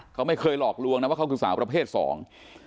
เขาไม่เคยหลอกลวงนะว่าเขาคือสาวประเภทสอง